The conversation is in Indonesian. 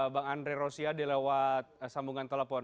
bang andre rosiade lewat sambungan telepon